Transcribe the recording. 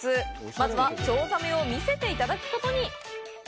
まずは、チョウザメを見せていただくことに。